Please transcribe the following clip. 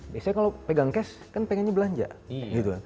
biasanya kalau pegang cash kan pengennya belanja gitu kan